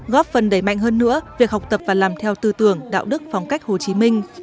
góp phần đẩy mạnh hơn nữa việc học tập và làm theo tư tưởng đạo đức phong cách hồ chí minh